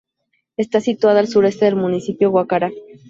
Está situada al suroeste del Municipio Guacara.